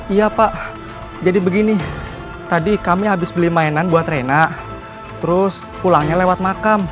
iya pak jadi begini tadi kami habis beli mainan buat reina terus pulangnya lewat makam